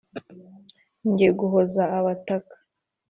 njye guhoza abataka,